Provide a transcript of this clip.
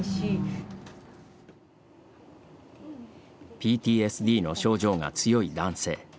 ＰＴＳＤの症状が強い男性。